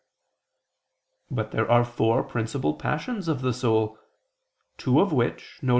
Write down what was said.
But there are four principal passions of the soul; two of which, viz.